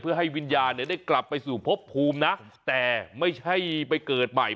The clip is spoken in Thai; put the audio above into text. เพื่อให้วิญญาณได้กลับไปสู่พบภูมินะแต่ไม่ใช่ไปเกิดใหม่